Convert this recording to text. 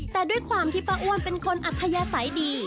แต่ด้วยความที่ป้าอ้วนเป็นคนอัธยาศัยดี